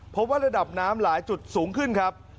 เพราะว่าระดับน้ำหลายจุดสูงขึ้นครับ